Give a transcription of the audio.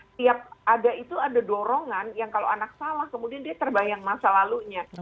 setiap ada itu ada dorongan yang kalau anak salah kemudian dia terbayang masa lalunya